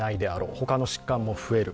ほかの疾患も増える。